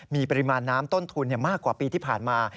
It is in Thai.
มีปริมาณน้ำต้นทุนมากกว่าปีที่ผ่านมา